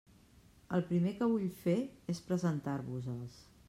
El primer que vull fer és presentar-vos-els.